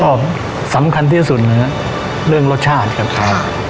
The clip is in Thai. ก็สำคัญที่สุดเลยนะเรื่องรสชาติครับครับ